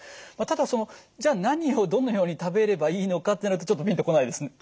ただそのじゃあ何をどのように食べればいいのかってなるとちょっとピンと来ないです。